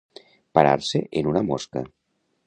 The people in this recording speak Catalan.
Parar-se en una mosca.